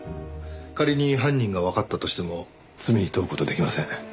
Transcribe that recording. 仮に犯人がわかったとしても罪に問う事はできません。